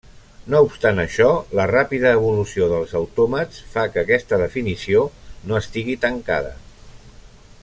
No obstant això, la ràpida evolució dels autòmats fa que aquesta definició no estigui tancada.